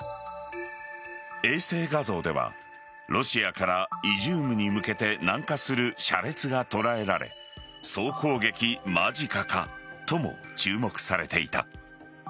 衛星画像ではロシアからイジュームに向けて南下する車列が捉えられ総攻撃間近かとも注目されていた。